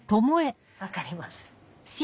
分かります。